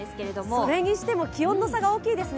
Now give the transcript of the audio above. それにしても気温の差が大きいですね。